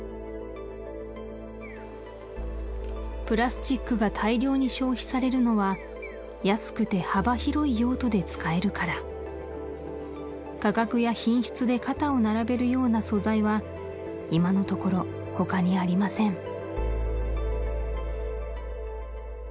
プラスチックが大量に消費されるのは安くて幅広い用途で使えるから価格や品質で肩を並べるような素材は今のところ他にありません